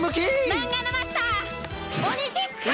マンガのマスターオニシスター！